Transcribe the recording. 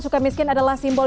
suka miskin adalah simbol